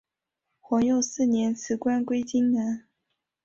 皇佑四年辞官归荆南。